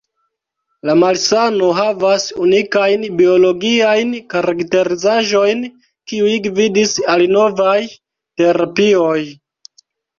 La malsano havas unikajn biologiajn karakterizaĵojn, kiuj gvidis al novaj terapioj.